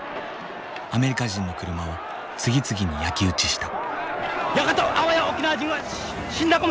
アメリカ人の車を次々に焼き打ちした。